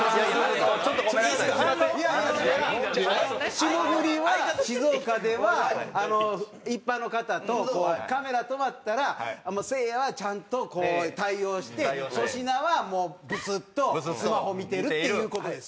霜降りは静岡では一般の方とこうカメラ止まったらせいやはちゃんとこう対応して粗品はもうブスッとスマホ見てるっていう事です。